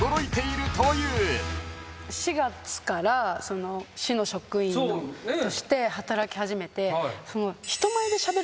４月から市の職員として働き始めて。